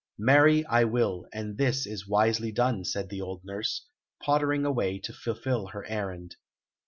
"Marry I will, and this is wisely done," said the old nurse, pottering away to fulfil her errand.